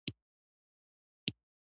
افغانستان د ستوني غرونه له مخې پېژندل کېږي.